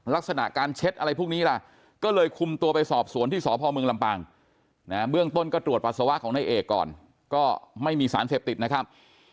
ลักษณะการเช็ดอะไรพวกนี้ล่ะก็เลยคุมตัวไปสอบสวนที่สพเมืองลำปางเบื้องต้นก็ตรวจปัสสาวะของนายเอกก่อนก็ไม่มีสารเสพติดนะครับ